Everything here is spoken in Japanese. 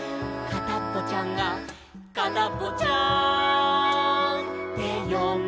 「かたっぽちゃんとかたっぽちゃん